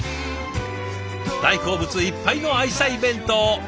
大好物いっぱいの愛妻弁当。